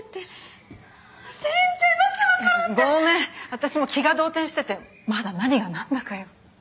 私も気が動転しててまだ何がなんだかよ。